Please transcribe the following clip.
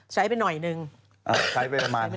ใช้ไปหน่อยนึงใช้ไปหน่อยนึงใช้ไปหน่อยนึง